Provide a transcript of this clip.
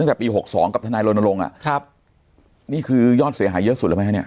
ตั้งแต่ปี๖๒กับทนายโรนโรงนี่คือยอดเสียหายเยอะสุดหรือไม่